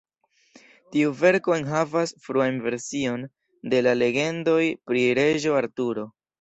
Tiu verko enhavas fruan version de la legendoj pri Reĝo Arturo.